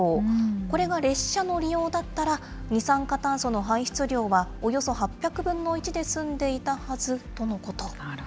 これが列車の利用だったら、二酸化炭素の排出量は、およそ８００分の１で済んでいたはずとのこと。